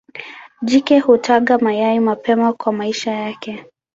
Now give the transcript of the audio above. Jike hutaga mayai mapema kwa maisha yake.